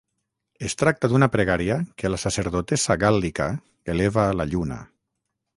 Es tracta d’una pregària que la sacerdotessa gàl·lica eleva a la lluna.